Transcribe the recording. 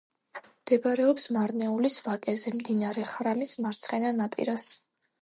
მდებარეობს მარნეულის ვაკეზე, მდინარე ხრამის მარცხენა ნაპირას.